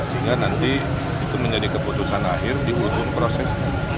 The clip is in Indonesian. sehingga nanti itu menjadi keputusan akhir di ujung proses